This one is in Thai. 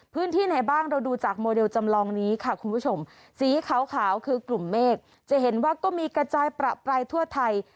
พื้นที่ไหนบ้างเราดูจากโมเดลจำลองนี้ค่ะคุณผู้ชมสีขาวคือกลุ่มเมฆจะเห็นว่าก็มีกระจายประปรายทั่วไทย